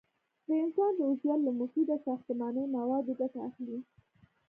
د انسان د عضویت له مفیده ساختماني موادو ګټه اخلي.